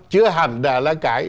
chứa hẳn là cái